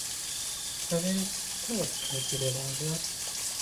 A więc co jest prawdziwie ważne?